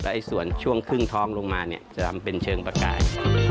แล้วไอ้ส่วนช่วงขึ้งทองลงมาจะทำเป็นเชิงปลากราย